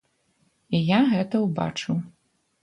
І я гэта ўбачыў.